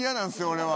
俺は。